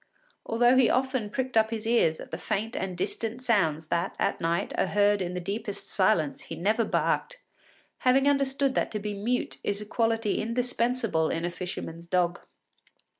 Although he often pricked up his ears at the faint and distant sounds that, at night, are heard in the deepest silence, he never barked, having understood that to be mute is a quality indispensable in a fisherman’s dog.